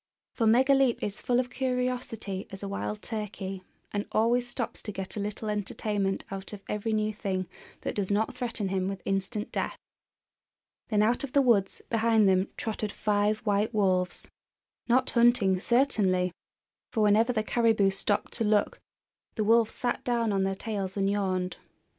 For Megaleep is full of curiosity as a wild turkey, and always stops to get a little entertainment out of every new thing that does not threaten him with instant death. Then out of the woods behind them trotted five white wolves, not hunting, certainly! for whenever the caribou stopped to look the wolves sat down on their tails and yawned.